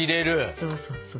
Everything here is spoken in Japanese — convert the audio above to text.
そうそうそう。